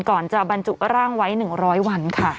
ก่อนจะบรรจุร่างไว้๑๐๐วันค่ะ